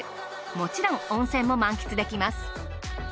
もちろん温泉も満喫できます。